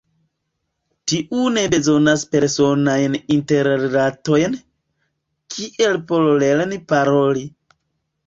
Tiu ne bezonas personajn interrilatojn, kiel por lerni paroli.